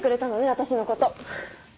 私のこと。